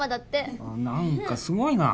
あっ何かすごいな。